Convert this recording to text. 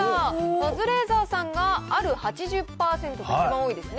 カズレーザーさんが、ある８０％と、一番多いですね。